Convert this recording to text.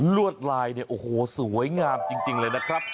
วดลายเนี่ยโอ้โหสวยงามจริงเลยนะครับ